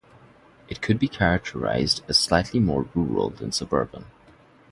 It could be characterized as slightly more rural than suburban.